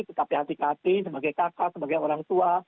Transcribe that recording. tetapi hati hati sebagai kakak sebagai orang tua